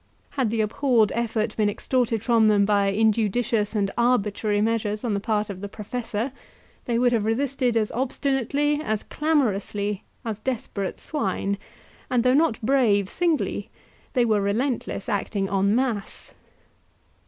Had the abhorred effort been extorted from them by injudicious and arbitrary measures on the part of the Professor, they would have resisted as obstinately, as clamorously, as desperate swine; and though not brave singly, they were relentless acting EN MASSE.